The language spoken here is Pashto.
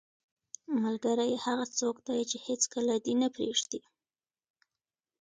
ملګری هغه څوک دی چې هیڅکله دې نه پرېږدي.